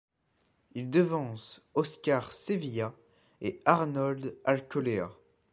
Il devance Óscar Sevilla et Arnold Alcolea.